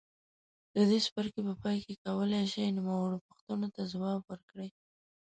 د دې څپرکي په پای کې کولای شئ نوموړو پوښتنو ته ځواب ورکړئ.